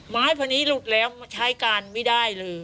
ไม้พอนี้หลุดแล้วใช้การไม่ได้เลย